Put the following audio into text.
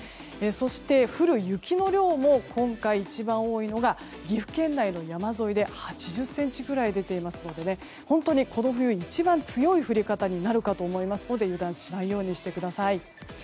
そして降る雪の量も今回一番多いのが岐阜県内の山沿いで８０ｃｍぐらい出ていますので本当にこの冬一番強い降り方になると思いますので油断しないようにしてください。